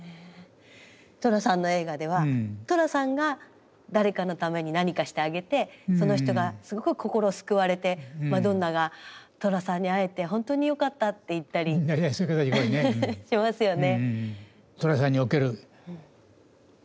寅さんの映画では寅さんが誰かのために何かしてあげてその人がすごく心救われてマドンナが「寅さんに会えてほんとによかった」って言ったりしますよね。